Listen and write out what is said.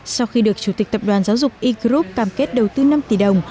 sau khi được chủ tịch tập đoàn giáo dục e group cam kết đầu tư năm tỷ đồng